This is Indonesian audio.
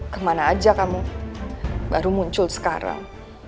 kemana aja kamu baru muncul sekarang